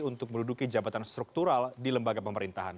untuk menduduki jabatan struktural di lembaga pemerintahan